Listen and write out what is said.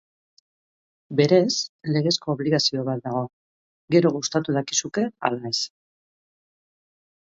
Beraz, legezko obligazio bat dago, gero, gustatu dakizuke ala ez.